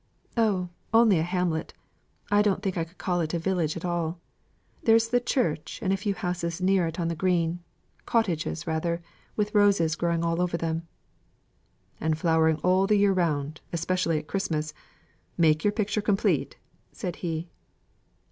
"Oh, only a hamlet; I don't think I could call it a village at all. There is the church and a few houses near it on the green cottages, rather with roses growing all over them." "And flowering all the year round, especially at Christmas make your picture complete," said he.